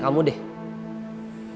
aku mau bantu kamu